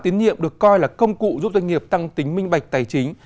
tiến nhiệm được coi là công cụ giúp doanh nghiệp tăng tính minh bạch tài chính